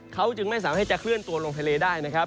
เขาจึงไม่สามารถที่จะเคลื่อนตัวลงทะเลได้นะครับ